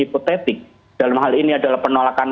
hipotetik dalam hal ini adalah penolakan